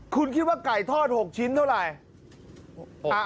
คุณคิดว่าไก่ทอด๖ชิ้นเท่าไหร่